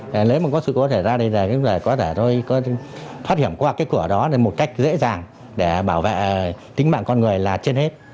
và nếu mà có sự cố xảy ra thì có thể thôi thoát hiểm qua cái cửa đó thì một cách dễ dàng để bảo vệ tính mạng con người là trên hết